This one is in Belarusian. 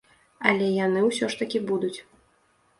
Але яны ўсё ж такі будуць.